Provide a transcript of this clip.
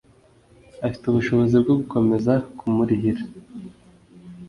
Afite ubushobozi bwo gukomeza kumurihira